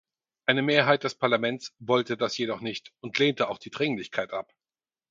Eine Mehrheit des Parlaments wollte das jedoch nicht und lehnte auch die Dringlichkeit ab.